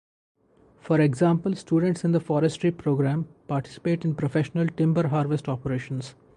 For example, students in the Forestry program participate in professional timber harvest operations.